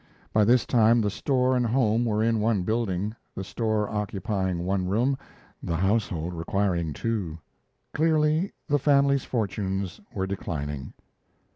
By this time the store and home were in one building, the store occupying one room, the household requiring two clearly the family fortunes were declining.